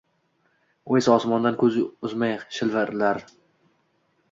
U esa osmondan ko’z uzmay shivirlar: